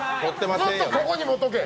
ずっとここで持っとけ。